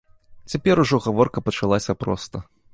Цяпер ужо гаворка пачалася проста.